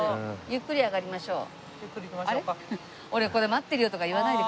ゆっくり行きましょう。